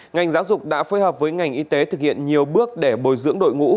ngành giáo dục đã phối hợp với ngành y tế thực hiện nhiều bước để bồi dưỡng đội ngũ